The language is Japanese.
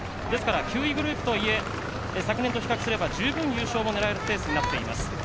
ですから、９位グループとはいえ昨年と比較すれば十分に優勝も狙えるペースとなっています。